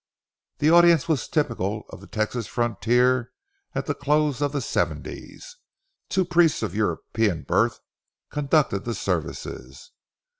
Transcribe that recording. The audience was typical of the Texas frontier at the close of the '70's. Two priests of European birth conducted the services.